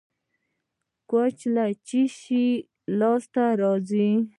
کوچ له څه شي لاسته راځي؟